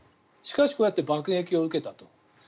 しかしこうやって爆撃を受けたと。